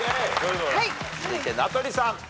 続いて名取さん。